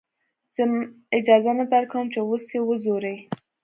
زه اجازه نه درکم چې اوس يې وځورې.